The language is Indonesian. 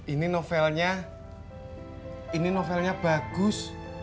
ini novelnya ini novelnya bagus